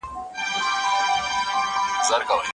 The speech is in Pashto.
سعید په ډېر جرئت سره د خپل ښوونکي پوښتنې ته ځواب ورکړ.